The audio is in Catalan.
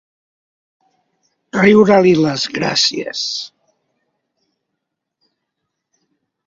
Riure-li les gràcies.